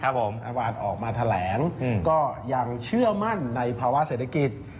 เมื่อวานออกมาแถลงก็ยังเชื่อมั่นในภาวะเศรษฐกิจ